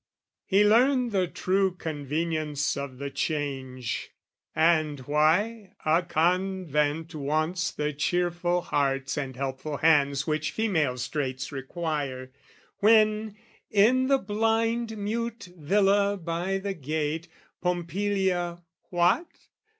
He learned the true convenience of the change, And why a convent wants the cheerful hearts And helpful hands which female straits require, When, in the blind mute villa by the gate, Pompilia what?